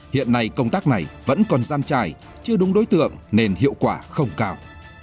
hiện nay công tác này vẫn còn gian trải chưa đúng đối tượng nên hiệu quả không cao